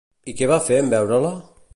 I què va fer en veure-la?